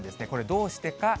これ、どうしてか。